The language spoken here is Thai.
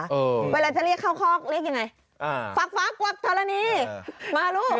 เวลาจะเรียกข้าวเรียกยังไง